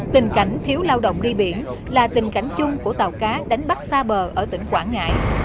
tình cảnh thiếu lao động đi biển là tình cảnh chung của tàu cá đánh bắt xa bờ ở tỉnh quảng ngãi